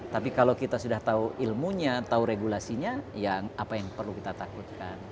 tapi kalau kita sudah tahu ilmunya tahu regulasinya apa yang perlu kita takutkan